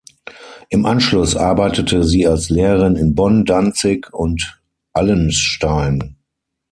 Im Anschluss arbeitete sie als Lehrerin in Bonn, Danzig und Allenstein.